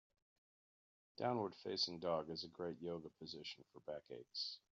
Downward facing dog is a great Yoga position for back aches.